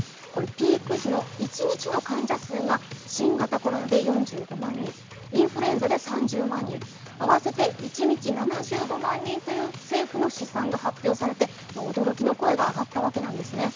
ピーク時の一日の患者数が新型コロナで４５万人インフルエンザで３０万人合わせて、一日７５万人という政府の試算が発表されて、驚きの声が上がったわけなんですね。